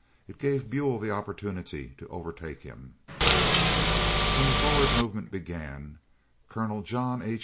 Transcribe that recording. It gave Buell the opportunity to overtake him. When the forward movement began, Colonel John H.